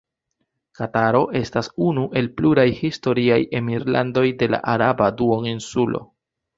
Kataro estas unu el pluraj historiaj emirlandoj de la Araba Duoninsulo.